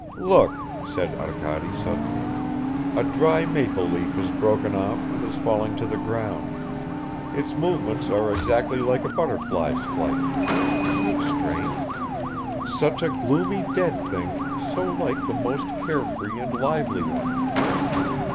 "Look," said Arkady suddenly, "a dry maple leaf has broken off and is falling to the ground; its movements are exactly like a butterfly's flight. Isn't it strange? Such a gloomy dead thing so like the most care free and lively one."